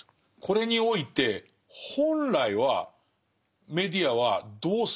これにおいて本来はメディアはどうするべきなんですかね。